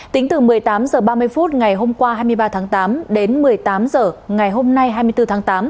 tính từ một mươi tám h ba mươi phút ngày hôm qua hai mươi ba tháng tám đến một mươi tám h ngày hôm nay hai mươi bốn tháng tám